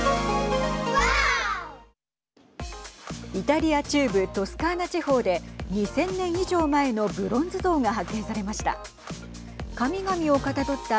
イタリア中部トスカーナ地方で２０００年以上前のブロンズ像が発見されました。